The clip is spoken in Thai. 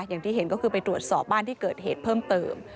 อย่างที่เห็นก็คือไปตรวจสอบบ้านที่เกิดเหตุเพิ่มเติม